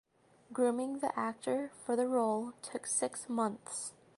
Grooming the actor for the role took six months.